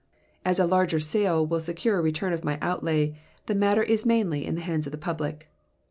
As a larger sale will secure a return of my outlay, the matter is mainly in the hands of the public.